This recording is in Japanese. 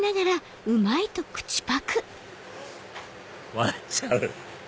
笑っちゃう？